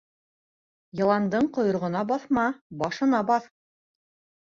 Йыландың ҡойроғона баҫма, башына баҫ.